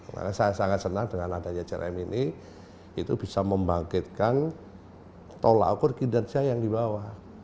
karena saya sangat senang dengan adanya crm ini itu bisa membangkitkan tolak ukur kinerja yang di bawah